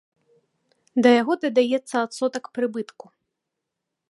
Да яго дадаецца адсотак прыбытку.